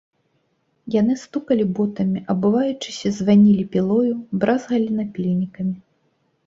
Яны стукалі ботамі, абуваючыся, званілі пілою, бразгалі напільнікамі.